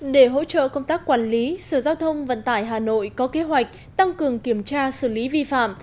để hỗ trợ công tác quản lý sở giao thông vận tải hà nội có kế hoạch tăng cường kiểm tra xử lý vi phạm